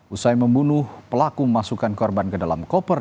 usai membunuh pelaku memasukkan korban ke dalam koper